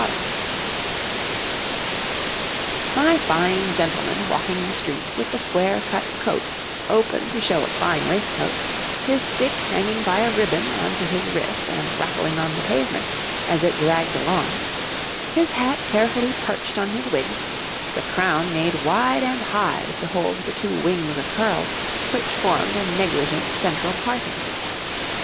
[Illustration: {A man of the time of William and Mary; a type of cuff}] My fine gentleman walking the street with the square cut coat open to show a fine waistcoat, his stick hanging by a ribbon on to his wrist and rattling on the pavement as it dragged along, his hat carefully perched on his wig, the crown made wide and high to hold the two wings of curls, which formed a negligent central parting.